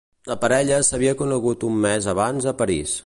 La parella s'havia conegut un mes abans a París.